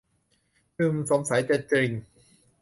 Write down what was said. อืม สงสัยจะจริง